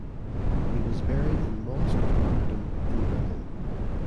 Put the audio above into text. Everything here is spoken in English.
He was buried in Mosque of Martyrdom in Berlin.